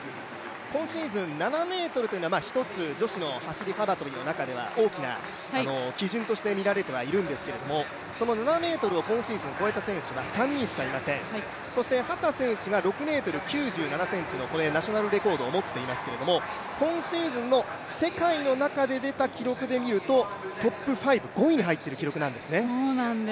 今シーズン７ｍというのは一つ、女子の走り幅跳びの中では大きな基準として見られているんですけど、その７ｍを今シーズン超えた選手は３人しかいません、そして秦選手は６ｍ９７ｃｍのナショナルレコードを持っていますけども、今シーズンの世界の中で出た記録で見るとトップ５、５位に入っている記録なんですよね。